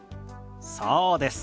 そうです。